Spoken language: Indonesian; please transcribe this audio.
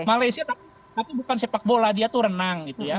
malaysia tapi bukan sepak bola dia tuh renang gitu ya